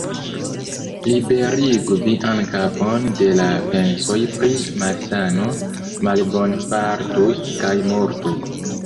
Liberigu vian kapon de la pensoj pri malsano, malbonfartoj kaj morto.